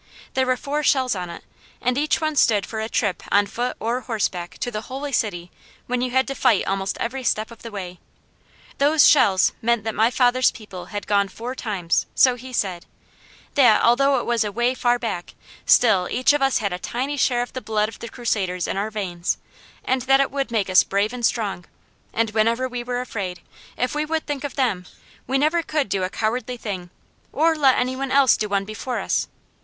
There were four shells on it and each one stood for a trip on foot or horseback to the Holy City when you had to fight almost every step of the way. Those shells meant that my father's people had gone four times, so he said; that, although it was away far back, still each of us had a tiny share of the blood of the Crusaders in our veins, and that it would make us brave and strong, and whenever we were afraid, if we would think of them, we never could do a cowardly thing or let any one else do one before us.